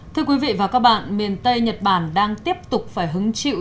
thưa quý vị và các bạn miền tây nhật bản đang tiếp tục phải hứng chịu